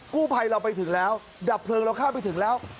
กู้ภัยเราไปถึงแล้วดับเพลิงเราเข้าไปถึงแล้ว